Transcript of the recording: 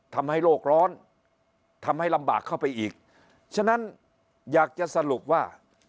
ทำให้โลกร้อนทำให้ลำบากเข้าไปอีกฉะนั้นอยากจะสรุปว่า